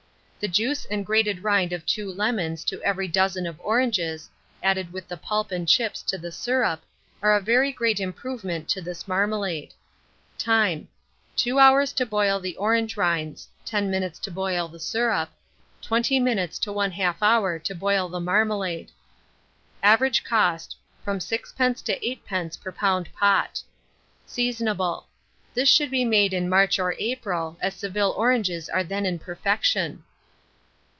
The juice and grated rind of 2 lemons to every dozen of oranges, added with the pulp and chips to the syrup, are a very great improvement to this marmalade. Time. 2 hours to boil the orange rinds; 10 minutes to boil the syrup; 20 minutes to 1/2 hour to boil the marmalade. Average cost, from 6d. to 8d. per lb. pot. Seasonable. This should be made in March or April, as Seville oranges are then in perfection.